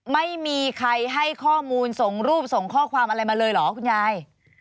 ไม่มีใครให้ข้อมูลส่งรูปส่งข้อความอะไรมาเลยเหรอคุณยาย